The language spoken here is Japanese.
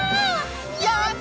やった！